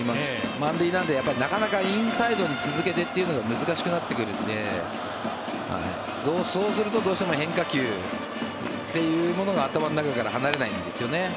満塁なので、なかなかインサイドに続けてというのが難しくなってくるのでそうすると、どうしても変化球というものが頭の中から離れないんですよね。